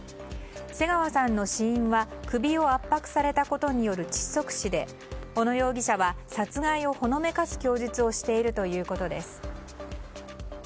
瀬川さんの死因は首を圧迫されたことによる窒息死で小野容疑者は殺害をほのめかす供述をしているということです。